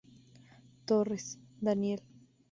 Torres, Daniel.